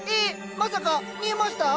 まさか見えました？